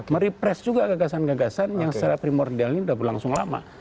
merepress juga gagasan gagasan yang secara primordial ini sudah berlangsung lama